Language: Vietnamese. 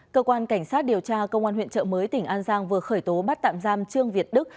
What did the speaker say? cơ quan cảnh sát điều tra công an huyện trợ mới tỉnh an giang vừa khởi tố bắt tạm giam trương việt đức